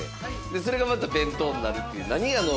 それがまた弁当になるっていう何あの。